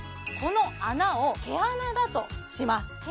この穴を毛穴だとします